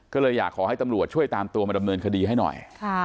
ก็เลยอยากขอให้ตำรวจช่วยตามตัวมาดำเนินคดีให้หน่อย